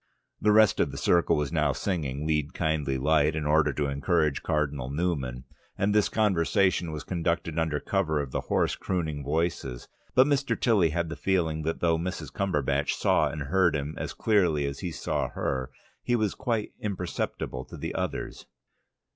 The rest of the circle was now singing "Lead, kindly Light" in order to encourage Cardinal Newman, and this conversation was conducted under cover of the hoarse crooning voices. But Mr. Tilly had the feeling that though Mrs. Cumberbatch saw and heard him as clearly as he saw her, he was quite imperceptible to the others.